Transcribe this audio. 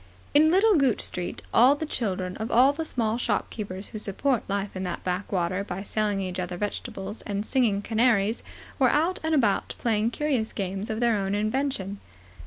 In Little Gooch Street all the children of all the small shopkeepers who support life in that backwater by selling each other vegetables and singing canaries were out and about playing curious games of their own invention.